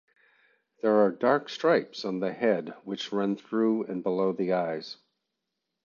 There are dark stripes on the head which run through and below the eyes.